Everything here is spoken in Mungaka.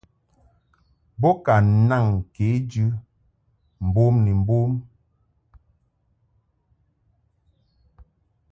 Bo ka naŋ kejɨ mbom ni mbom.